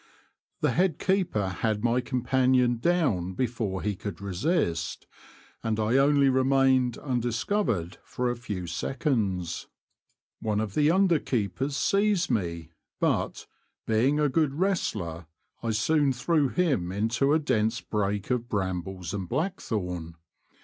The head keeper had my companion down before he could resist, and I only remained undiscovered for a few seconds. One of the under keepers seized me, but, being a good wrestler, I soon threw him into a dense brake of brambles and blackthorn.